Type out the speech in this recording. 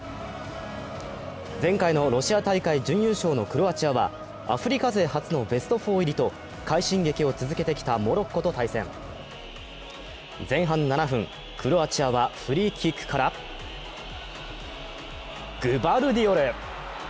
前回のロシア大会準優勝のクロアチアはアフリカ勢初のベスト４入りと快進撃を続けてきたモロッコと対戦。前半７分、クロアチアはフリーキックからグバルディオル。